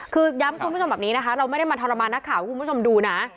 คือย้ำคุณผู้ชมแบบนี้นะคะเราไม่ได้มาทรมานนักข่าวให้คุณผู้ชมดูนะ